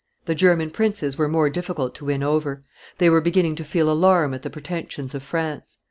The German princes were more difficult to win over; they were beginning to feel alarm at the pretensions of France.